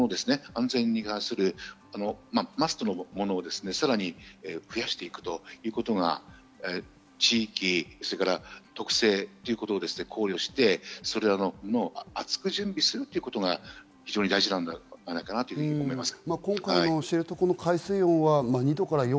安全に関するマストのものをさらに増やしていくということが地域、特性ということを考慮して、それらを厚く準備するということが非常に大事なんではないかと思います。